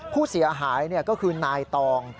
ผู้เสียหายก็คือนายตอง